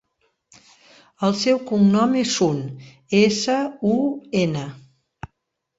El seu cognom és Sun: essa, u, ena.